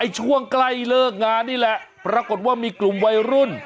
ช่วงใกล้เลิกงานนี่แหละปรากฏว่ามีกลุ่มวัยรุ่น